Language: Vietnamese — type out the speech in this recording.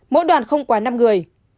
mỗi đoàn không quá năm người